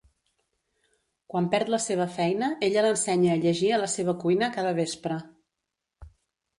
Quan perd la seva feina, ella l'ensenya a llegir a la seva cuina cada vespre.